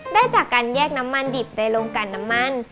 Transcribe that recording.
ได้จากการแยกน้ำมันดิบในโรงการน้ำมัน